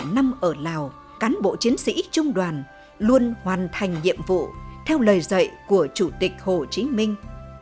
bảy mươi năm năm ở lào cán bộ chiến sĩ trung đoàn luôn hoàn thành nhiệm vụ theo lời dạy của chủ tịch hồ chí minh